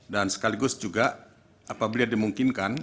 dan sekaligus juga apabila dimungkinkan